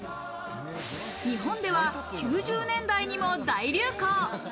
日本では９０年代にも大流行。